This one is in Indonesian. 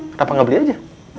kenapa gak beli aja